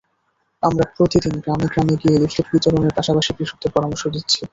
আমরা প্রতিদিন গ্রামে গ্রামে গিয়ে লিফলেট বিতরণের পাশাপাশি কৃষকদের পরামর্শ দিচ্ছি।